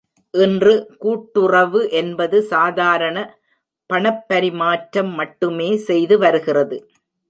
இன்று, கூட்டுறவு என்பது சாதாரண பணப்பரிமாற்றம் மட்டுமே செய்துவருகிறது.